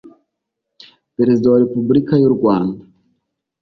perezida wa repubulika y'u rwanda